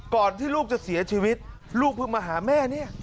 ก่อนที่ลูกจะเสียชีวิตลูกเพิ่งมาหาแม่เนี่ย